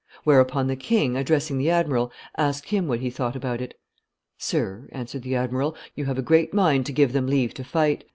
Whereupon the king, addressing the admiral, asked him what he thought about it. 'Sir,' answered the admiral, 'you have a great mind to give them leave to fight.